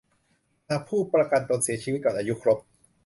หากผู้ประกันเสียชีวิตก่อนอายุครบ